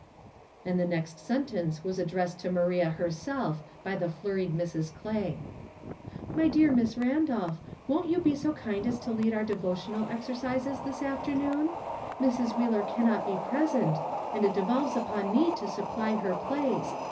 And the next sentence was addressed to Maria herself by the flurried Mrs. Clay. *' My dear Miss Randolph, won't you be so kind as to lead our devotional exercises this afternoon? Mrs. Wheeler cannot be present, and it devolves upon me to supply her place.